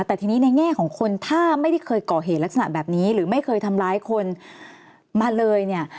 แต่ทีนี้ในแง่ของคนถ้าไม่ได้เคยก่อเหตุลักษณะแบบนี้หรือไม่เคยทำร้ายคนมาเลยเนี่ย